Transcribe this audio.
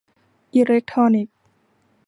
อิเล็กทรอนิกส์